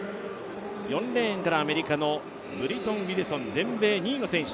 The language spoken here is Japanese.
４レーンからアメリカのウィルソン、全米２位の選手。